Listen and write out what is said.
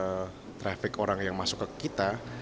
jadi kalau dari segi market traffic orang yang masuk ke kita